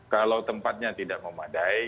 kalau tempatnya tidak memadai